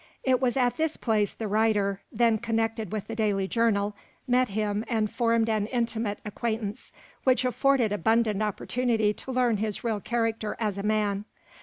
It was at this place the writer then connected with the daily Journal met him and formed an intimate acquaintance, which afforded abundant opportunity to learn his real character as a man.